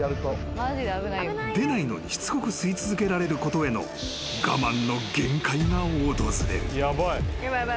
［出ないのにしつこく吸い続けられることへの我慢の限界が訪れる］